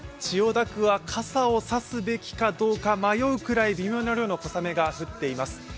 千代田区は傘を差すべきかどうか迷うくらい、微妙な量の小雨が降っています。